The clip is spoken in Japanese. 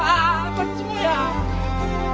こっちもや！